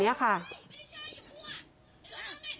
นี่รถไหม